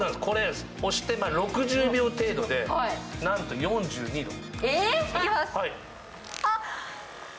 押して６０秒程度でなんと４２度。